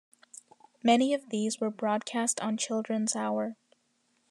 Many of these were broadcast on Children's Hour.